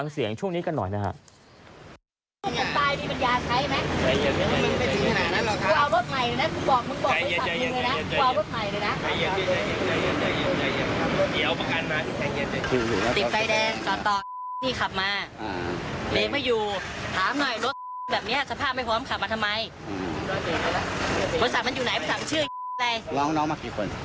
เนี่ยท่อนสุดท้ายมันกลายเป็นดราม่า